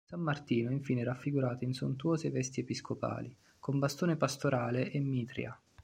San Martino è infine raffigurato in sontuose vesti episcopali, con bastone pastorale e mitria.